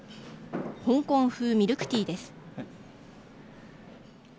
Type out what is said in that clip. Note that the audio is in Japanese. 香港風ミルクティーです。